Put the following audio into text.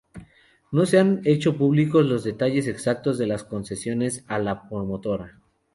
No se han hecho públicos los detalles exactos de las concesiones a la promotora.